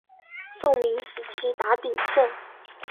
宋明时期达鼎盛。